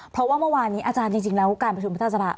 เพราะว่าเมื่อวานนี้อาจารย์จริงแล้วการประชุมรัฐสภา